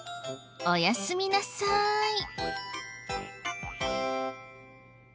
おやすみなさい。